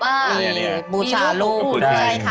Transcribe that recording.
อันนี้คืออุ้งใช่ค่ะบุชาลูกค่ะ